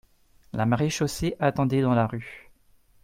La maréchaussée attendait dans la rue.